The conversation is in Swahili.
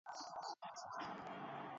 Dalili nyingine za ugonjwa huu